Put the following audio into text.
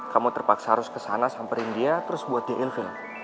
kamu terpaksa harus kesana samperin dia terus buat dia ilfil